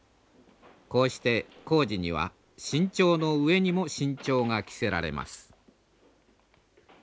こうして工事には慎重の上にも慎重が期せられます。